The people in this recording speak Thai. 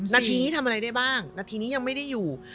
นาทีนี้ทำอะไรได้บ้างนาทีนี้ยังไม่ได้อยู่